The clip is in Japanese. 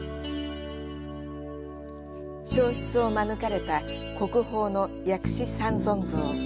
焼失を免れた国宝の薬師三尊像。